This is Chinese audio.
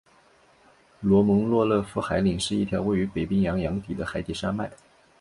罗蒙诺索夫海岭是一条位于北冰洋洋底的海底山脉。